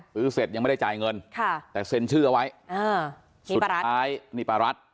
ซื้อเสร็จยังไม่ได้จ่ายเงินค่ะแต่เซ็นชื่อเอาไว้อ่าสุดท้ายนี่ป้ารัฐ